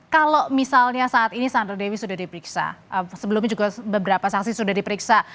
kalau misalnya saat ini sandra dewi sudah diperiksa sebelumnya juga beberapa saksi sudah diperiksa